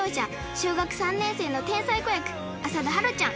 小学３年生の天才子役浅田芭路ちゃん。